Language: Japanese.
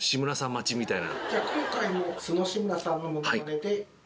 待ちみたいな。